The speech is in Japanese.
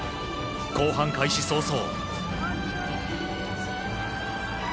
後半開始早々。